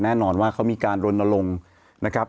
แน่นอนว่าเขามีการรณรงค์นะครับ